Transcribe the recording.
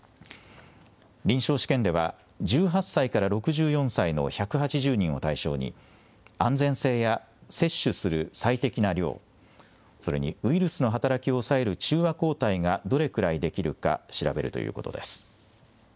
臨床試験では、１８歳から６４歳の１８０人を対象に、安全性や接種する最適な量、それにウイルスの働きを抑える中和抗体がどれくらい出来るか、調べるということです。